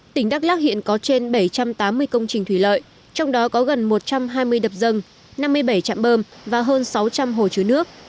tỉnh đắk lắc hiện có trên bảy trăm tám mươi công trình thủy lợi trong đó có gần một trăm hai mươi đập dân năm mươi bảy trạm bơm và hơn sáu trăm linh hồ chứa nước